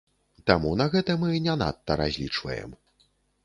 Таму на гэта мы не надта разлічваем.